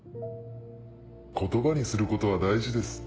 言葉にすることは大事です。